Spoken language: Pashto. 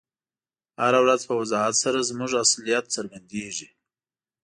هره ورځ په وضاحت سره زموږ اصلیت څرګندیږي.